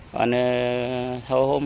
còn hôm hôm